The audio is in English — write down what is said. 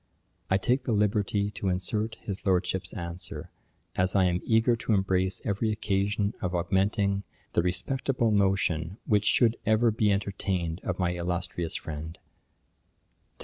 I take the liberty to insert his Lordship's answer, as I am eager to embrace every occasion of augmenting the respectable notion which should ever be entertained of my illustrious friend: 'To DR.